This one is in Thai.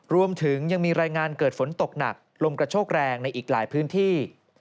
รวมถึงยังมีรายงานเกิดฝนตกหนักลมกระโชกแรงในอีกหลายพื้นที่